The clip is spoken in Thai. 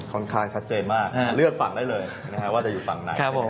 ค่อนข้างชัดเจนมากเลือกฝั่งได้เลยว่าจะอยู่ฝั่งไหน